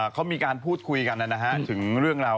เค้ามีการพูดคุยกันได้นะฮะ